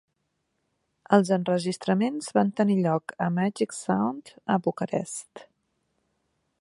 Els enregistraments van tenir lloc a "Magic Sound" a Bucarest.